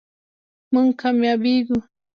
مونږ کامیابیږو